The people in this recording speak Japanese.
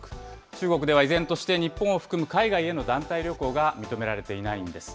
中国では依然として、日本を含む海外への団体旅行が認められていないんです。